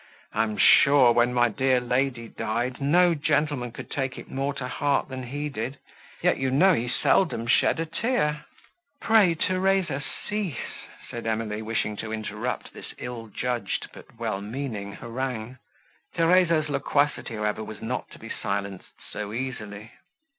I am sure, when my dear lady died, no gentleman could take it more to heart than he did, yet you know he seldom shed a tear." "Pray, Theresa, cease," said Emily, wishing to interrupt this ill judged, but well meaning harangue; Theresa's loquacity, however, was not to be silenced so easily.